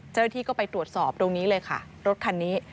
เจ้าหน้าที่ก็ไปตรวจสอบตรงนี้เลยค่ะรถคันนี้